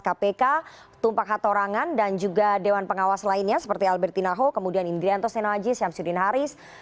ketua dewan pengawas kpk tumpak hatorangan dan juga dewan pengawas lainnya seperti albertina ho kemudian indrianto seno aji syamsuddin haris